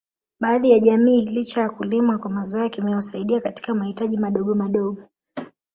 Baadhi ya jamii licha ya kulima kwa mazoea kimewasaidia katika mahitaji madogo madogo